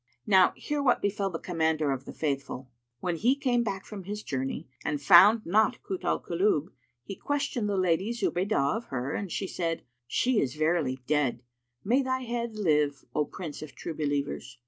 Now hear what befel the Commander of the Faithful. When he came back from his journey and found not Kut al Kulub, he questioned the Lady Zubaydah of her and she said, "She is verily dead, may thy head live, O Prince of True Believers!"